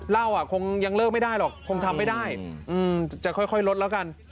เราคงยังเลิกไม่ได้หรอกคงทำไม่ได้จะค่อยลดแล้วกัน